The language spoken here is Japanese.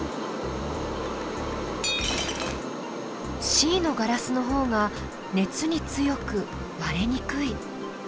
Ｃのガラスのほうが熱に強く割れにくい。